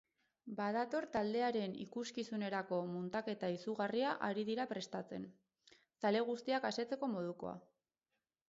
Badator taldearen ikuskizunerako muntaketa izugarria ari dira prestatzen, zale guztiak asetzeko modukoa.